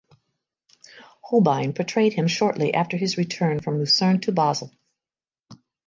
Holbein portrayed him shortly after his return from Lucerne to Basel.